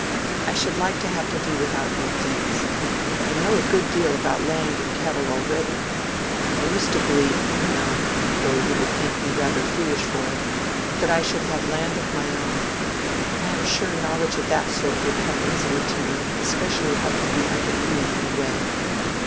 I should like to have to do with outdoor things. I know a good deal about land and cattle already. I used to believe, you know—though you will think me rather foolish for it—that I should have land of my own. I am sure knowledge of that sort would come easily to me, especially if I could be under you in any way."